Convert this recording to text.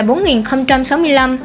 thở oxy qua dòng cao hfnc là một